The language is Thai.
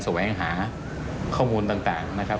เรายังรอท่านอยู่นะครับ